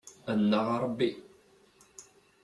Annaɣ a Ṛebbi!